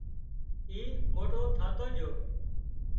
اي موٽو ٿاتو جھو